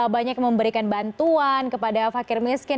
banyak yang memberikan bantuan kepada fakir miskin